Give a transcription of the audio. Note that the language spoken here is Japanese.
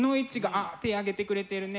あっ手挙げてくれてるね。